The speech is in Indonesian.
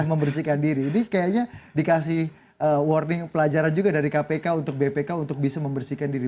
membersihkan diri ini kayaknya dikasih warning pelajaran juga dari kpk untuk bpk untuk bisa membersihkan diri